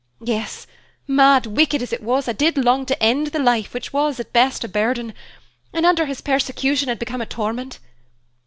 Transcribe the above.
Yes, mad, wicked as it was, I did long to end the life which was, at best, a burden, and under his persecution had become a torment.